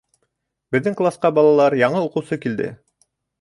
— Беҙҙең класҡа, балалар, яңы уҡыусы килде.